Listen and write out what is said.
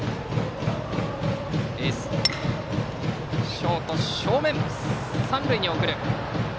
ショートがとって三塁に送る。